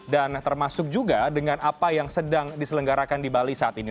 dan termasuk juga dengan apa yang sedang diselenggarakan di bali saat ini